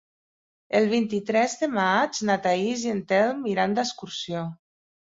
El vint-i-tres de maig na Thaís i en Telm iran d'excursió.